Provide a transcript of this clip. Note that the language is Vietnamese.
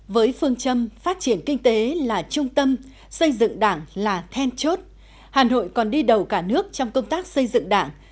với phương châm phát triển kinh tế là trung tâm xây dựng đảng là then chốt hà nội còn đi đầu cả nước trong công tác xây dựng đảng